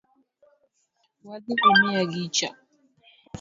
Wadhi imiya gicha